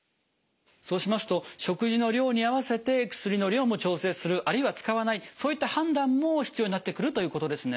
そうしますと食事の量に合わせて薬の量も調整するあるいは使わないそういった判断も必要になってくるということですね？